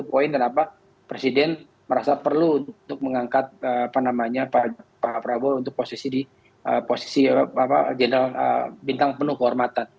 satu poin kenapa presiden merasa perlu untuk mengangkat pak prabowo untuk posisi jenderal bintang penuh kehormatan